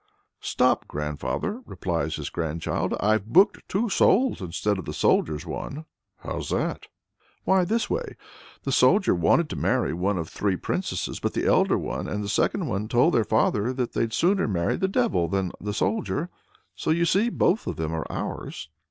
"Stop, grandfather!" replies his grandchild. "I've booked two souls instead of the soldier's one." "How's that?" "Why, this way. The soldier wanted to marry one of three princesses, but the elder one and the second one told their father that they'd sooner marry the devil than the soldier. So you see both of them are ours."